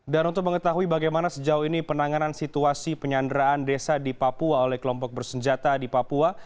dan untuk mengetahui bagaimana sejauh ini penanganan situasi penyanderaan desa di papua oleh kelompok bersenjata di papua